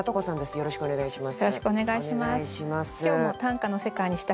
よろしくお願いします。